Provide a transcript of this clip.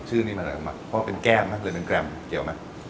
ชื่อนี้มันเป็นแก้มหรือเป็นแกรมเกี่ยวไหม